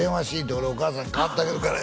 「俺お母さんに代わってあげるから」